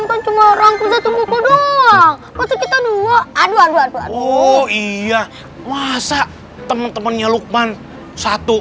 kan cuma rangkum satu buku doang kita dua aduh aduh aduh iya masa temen temennya lukman satu